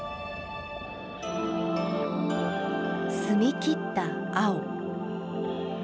澄み切った青。